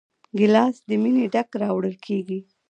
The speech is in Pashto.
ګیلاس له مینې ډک راوړل کېږي.